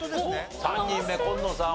３人目紺野さん